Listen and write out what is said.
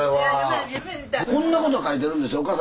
こんなこと書いてるんですよ